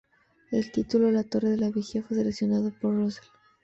El título "La torre del vigía" fue seleccionado por Russell.